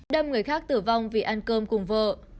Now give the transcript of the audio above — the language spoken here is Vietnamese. đâm người khác tử vong vì ăn cơm cùng vợ